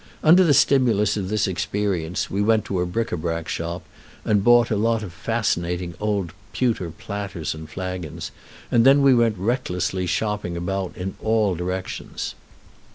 Under the stimulus of this experience we went to a bric à brac shop and bought a lot of fascinating old pewter platters and flagons, and then we went recklessly shopping about in all directions.